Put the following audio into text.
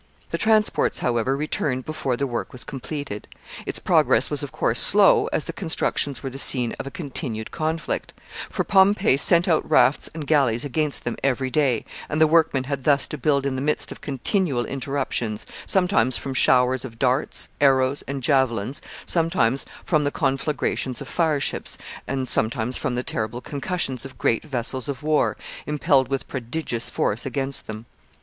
] The transports, however, returned before the work was completed. Its progress was, of course, slow, as the constructions were the scene of a continued conflict; for Pompey sent out rafts and galleys against them every day, and the workmen had thus to build in the midst of continual interruptions, sometimes from showers of darts, arrows, and javelins, sometimes from the conflagrations of fireships, and sometimes from the terrible concussions of great vessels of war, impelled with prodigious force against them.